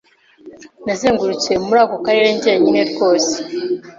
Nazengurutse muri ako karere njyenyine rwose.